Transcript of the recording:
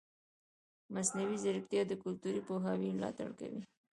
مصنوعي ځیرکتیا د کلتوري پوهاوي ملاتړ کوي.